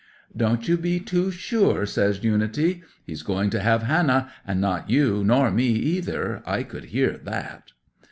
'"Don't you be too sure!" says Unity. "He's going to have Hannah, and not you, nor me either; I could hear that."